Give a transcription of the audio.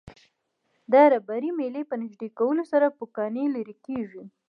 د ربړي میلې په نژدې کولو سره پوکڼۍ لرې کیږي.